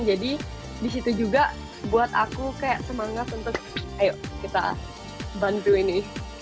jadi di situ juga buat aku kayak semangat untuk ayo kita bantu ini